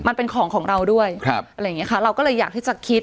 มันเป็นของของเราด้วยครับอะไรอย่างเงี้ค่ะเราก็เลยอยากที่จะคิด